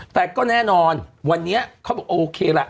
แต่ก็แน่นอนวันนี้เขาบอกโอเคล่ะ